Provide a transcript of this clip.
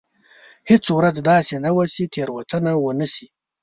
هېڅ ورځ داسې نه وه چې تېروتنه ونه شي.